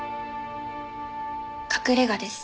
隠れ家です。